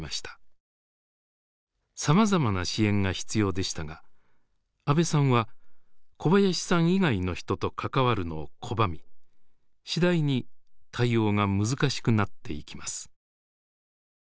さまざまな支援が必要でしたが阿部さんは小林さん以外の人と関わるのを拒み次第に対応が難しくなっていきます。